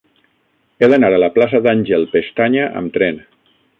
He d'anar a la plaça d'Àngel Pestaña amb tren.